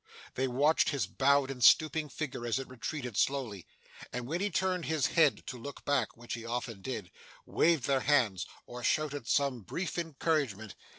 They watched his bowed and stooping figure as it retreated slowly, and when he turned his head to look back, which he often did, waved their hands, or shouted some brief encouragement.